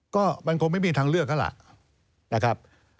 ก็มันคงไม่มีทางเลือกแล้วล่ะนะครับ